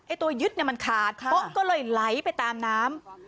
ตัวยึดเนี่ยมันขาดโป๊ะก็เลยไหลไปตามน้ำ